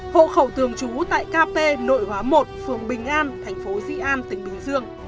hộ khẩu thường trú tại kp nội hóa một phường bình an tp di an tỉnh bình dương